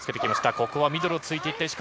ここはミドルを突いていった、石川。